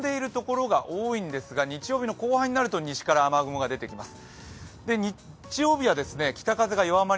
そして日曜日にかけては雨がやんでいる所が多いんですが日曜日の後半になると西から雨雲が出てきます。